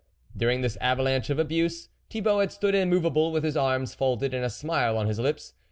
During this avalanche of abuse Thibault had stood immovable with his arms folded and a smile on his lips.